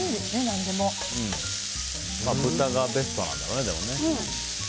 豚がベストなんだろうね。